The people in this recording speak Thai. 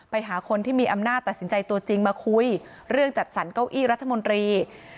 ไปหาคนที่มีอำนาจตัดสินใจตัวจริงมาคุยเรื่องจัดสรรเก้าอี้รัฐมนตรี